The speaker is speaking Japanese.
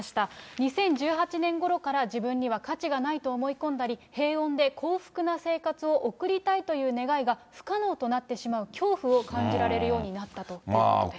２０１８年ごろから、自分には価値がないと思い込んだり、平穏で幸福な生活を送りたいという願いが不可能になってしまうという恐怖を感じられるようになったということです。